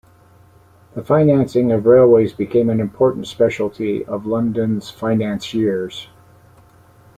The financing of railways became an important specialty of London's financiers.